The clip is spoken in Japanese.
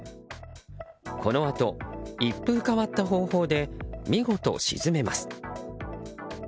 このあと一風変わった方法で見事鎮めます。